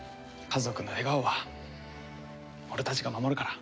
家族の笑顔は俺たちが守るから。